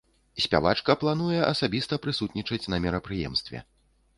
Спявачка плануе асабіста прысутнічаць на мерапрыемстве.